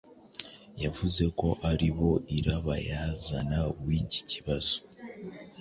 Yavuze ko ari bo irabayazana w'iki kibazo.